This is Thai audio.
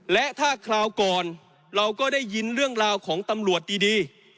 และถ้าคราวก่อนเราก็ได้ยินเรื่องราวของตำรวจดี